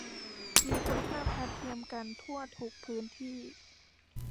มีคุณภาพทัดเทียมกันทั่วทุกพื้นที่